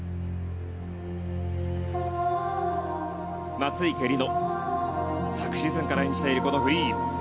松生理乃、昨シーズンから演じているこのフリー。